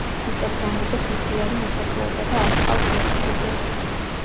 მიწას განაგებს მთლიანი მოსახლეობა და არ ჰყავთ ერთი ლიდერი.